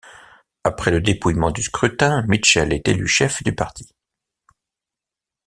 Après le dépouillement du scrutin, Mitchell est élu chef du parti.